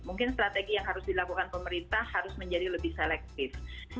mungkin strategi yang harus dilakukan pemerintah harus menjadi lebih selektif